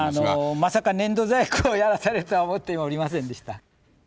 まさか粘土細工をやらさせるとは思っておりませんでした。